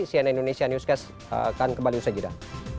cnn indonesia newscast akan kembali usai jeda